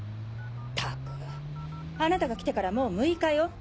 ったくあなたが来てからもう６日よ。